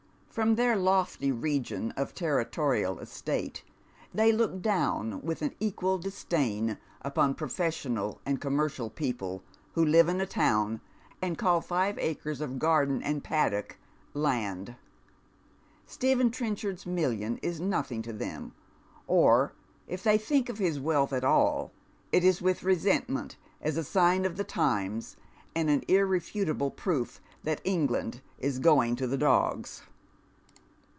From their lofty region of territorial estate they look down with an equal disdain upon professional and commer cial people who live in a town and call five acres of garden and paddock land. Stephen Trenchard's million is nothing to them, or if they think of his wealth at all, it is with resentment, as a sign of the times, and an irrefutable proof that England is going to the dogs.